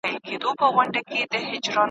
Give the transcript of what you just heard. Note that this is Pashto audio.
دغه خبري سرچینه د خلکو ترمنځ ډېر اعتبار لري.